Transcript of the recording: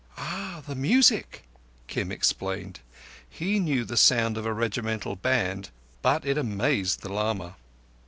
"Ah! The music," Kim explained. He knew the sound of a regimental band, but it amazed the lama.